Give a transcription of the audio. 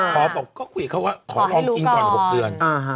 ขอบอกก็คุยกับเขาว่าขอลองกินก่อน๖เดือน